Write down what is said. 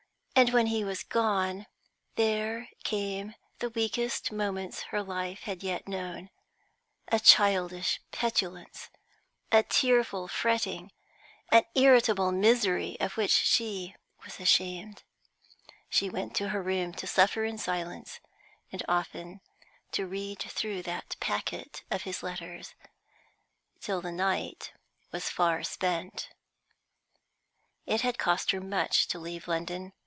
And when he was gone, there came the weakest moments her life had yet known; a childish petulance, a tearful fretting, an irritable misery of which she was ashamed. She went to her room to suffer in silence, and often to read through that packet of his letters, till the night was far spent. It had cost her much to leave London.